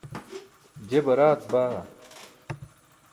je baraat baa.